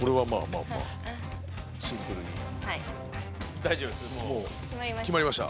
大丈夫ですもう。